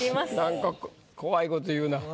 なんか怖いこと言うな。